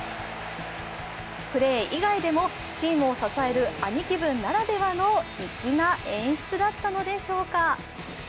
プレー以外でもチームを支える兄貴分ならではの粋な演出だったのでしょうか。